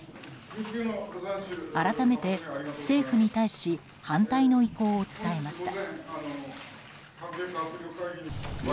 改めて、政府に対し反対の意向を伝えました。